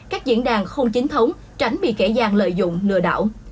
các diễn đàn không chính thống tránh bị kẻ gian lợi dụng lừa đảo